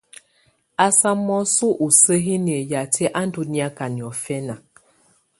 Ú samɔsɔ ù sǝhiniǝ́ yatɛ̀á ù ndɔ̀ niaka niɔ̀fɛ̀na.